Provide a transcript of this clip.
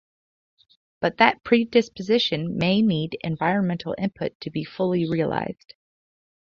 But that predisposition may need environmental input to be fully realized.